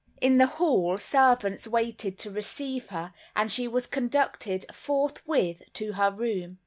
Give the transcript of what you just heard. In the hall, servants waited to receive her, and she was conducted forthwith to her room.